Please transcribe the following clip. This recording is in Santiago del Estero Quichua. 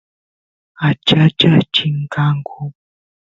achachas chinkanku